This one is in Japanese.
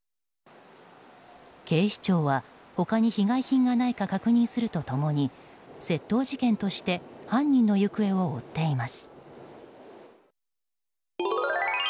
警視庁は他に被害品がないか確認すると共に窃盗事件として犯人の行方を追っています。